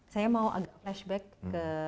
saya mau agak flashback ke